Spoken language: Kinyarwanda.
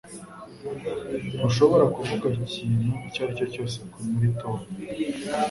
Ntushobora kuvuga ikintu icyo ari cyo cyose muri Tom